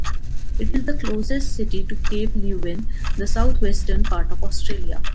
It is the closest city to cape Leeuwin, the South-western part of Australia.